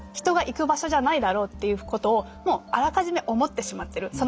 人が行く場所じゃないだろうっていうことをもうあらかじめ思ってしまってる。